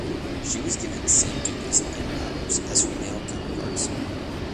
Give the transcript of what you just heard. She was given same duties and powers as her male counterparts.